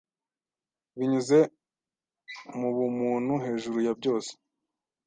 Binyuze mubumuntu hejuru ya byose